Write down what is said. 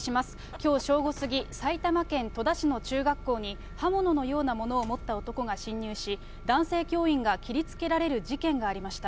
きょう正午過ぎ、埼玉県戸田市の中学校に、刃物のようなものを持った男が侵入し、男性教員が切りつけられる事件がありました。